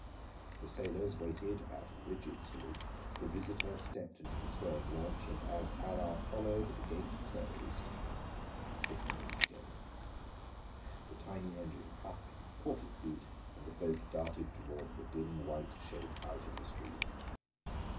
The sailors waited at rigid salute, the visitor stepped into the swaying launch, and as Allard followed the gate closed behind him. The tiny engine puffed, caught its beat, and the boat darted toward the dim white shape out in the stream.